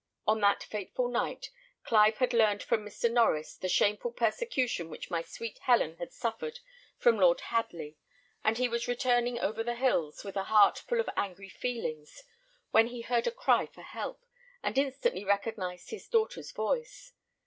"On that fatal night, Clive had learned from Mr. Norries the shameful persecution which my sweet Helen had suffered from Lord Hadley, and he was returning over the cliffs, with a heart full of angry feelings, when he heard a cry for help, and instantly recognised his daughter's voice.